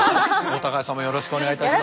高橋さんもよろしくお願いいたします。